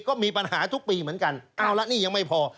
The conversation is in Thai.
ก็มีปัญหาทุกปีเหมือนกันเอาละนี่ยังไม่พอ